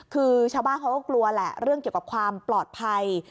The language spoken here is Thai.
คือชาวบ้านเขาก็กลัวแหละเรื่องเกี่ยวกับความปลอดภัย